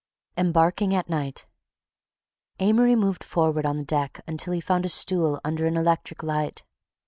EMBARKING AT NIGHT Amory moved forward on the deck until he found a stool under an electric light.